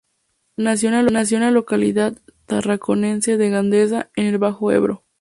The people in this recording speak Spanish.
Nació en la localidad tarraconense de Gandesa, en el Bajo Ebro.